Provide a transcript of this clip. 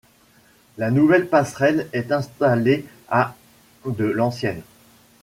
La nouvelle passerelle est installée à de l’ancienne.